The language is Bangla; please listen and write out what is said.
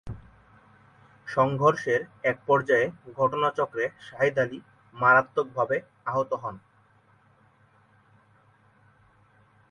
সংঘর্ষের এক পর্যায়ে ঘটনাচক্রে শাহেদ আলী মারাত্মকভাবে আহত হন।